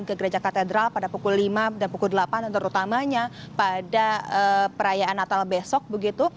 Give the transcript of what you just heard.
jadi ke gereja katedral pada pukul lima dan pukul delapan terutamanya pada perayaan natal besok begitu